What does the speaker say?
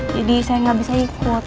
jadi saya gak bisa ikut